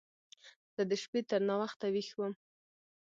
زه د شپې تر ناوخته ويښ وم.